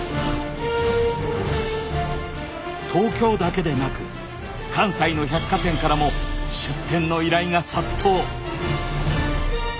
東京だけでなく関西の百貨店からも出店の依頼が殺到。